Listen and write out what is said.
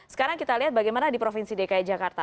sekarang kita lihat bagaimana di provinsi dki jakarta